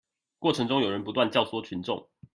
過程中有人不斷教唆群眾